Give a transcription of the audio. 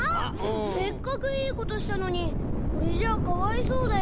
せっかくいいことしたのにこれじゃあかわいそうだよ。